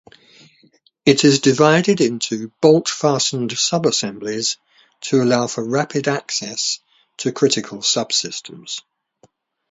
It is divided into bolt-fastened sub-assemblies to allow for rapid access to critical subsystems.